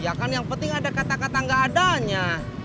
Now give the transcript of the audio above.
ya kan yang penting ada kata kata gak adanya